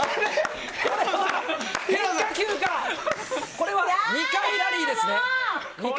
これは２回ラリーですね。